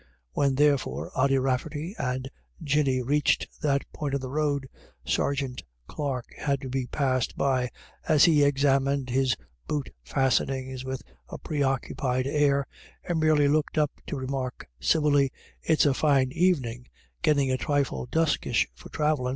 When, therefore, Ody Rafferty and Jinny reached that point on the road, Sergeant Clarke had to be passed by, as he examined his boot fastenings with a preoccupied air, and merely looked up to remark civilly :" It's a fine evenin' ; gettin' a trifle duskish for travellin'.